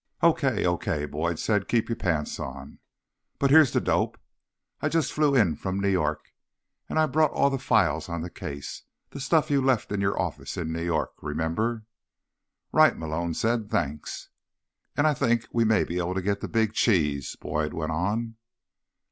"Okay, okay," Boyd said. "Keep your pants on. But here's the dope: I just flew in from New York, and I brought all the files on the case— the stuff you left in your office in New York, remember?" "Right," Malone said. "Thanks." "And I think we may be able to get the Big Cheese," Boyd went on.